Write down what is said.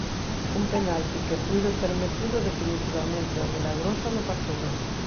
Un penalti que puido ter metido definitivamente ao milagrosa no partido.